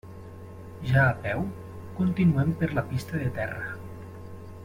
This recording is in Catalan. Ja a peu, continuem per la pista de terra.